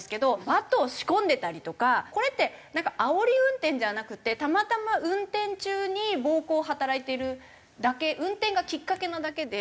バットを仕込んでたりとかこれってあおり運転じゃなくてたまたま運転中に暴行を働いているだけ運転がきっかけなだけで。